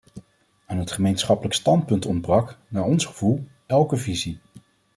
Aan het gemeenschappelijk standpunt ontbrak, naar ons gevoel, elke visie.